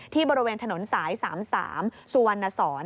ที่บริเวณถนนสาย๓๓สุวรรณศร